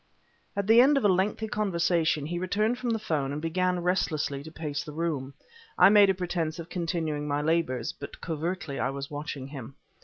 At the end of a lengthy conversation, he returned from the 'phone and began, restlessly, to pace the room. I made a pretense of continuing my labors, but covertly I was watching him.